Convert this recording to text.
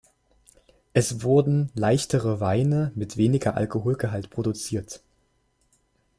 Es wurden leichtere Weine mit weniger Alkoholgehalt produziert.